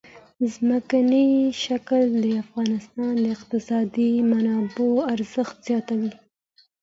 ځمکنی شکل د افغانستان د اقتصادي منابعو ارزښت زیاتوي.